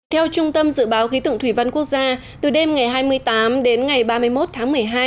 theo trung tâm dự báo khí tượng thủy văn quốc gia từ đêm ngày hai mươi tám đến ngày ba mươi một tháng một mươi hai